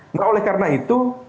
nah oleh karena itu